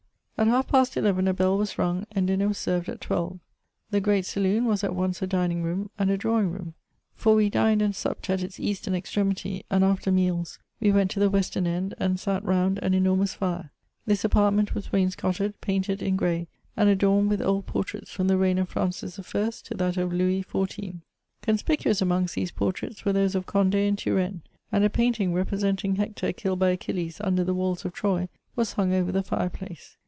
At half past eleven a bell was rung, and dinner was served at twelve. The great saloon was at once a dining room and a drawing room ; for we dined and supped at its eastern extre mity, and, after meab, we went to the western end, and sat round an enormous fire. This apartment was wainscotted, painted in grey, and adorned with old portraits from the reign of Francis I. to that of Louis XIY. Conspicuous amongst these portraits were those of Cond^ and Turenne ; and a painting, representing Hector killed by Achilles under the walls of Troy, was hung over the fire place.